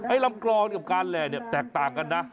ลำกรอนกับการแหล่เนี่ยแตกต่างกันนะ